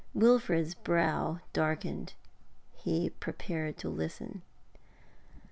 Wilfrid's brow darkened. He prepared to listen.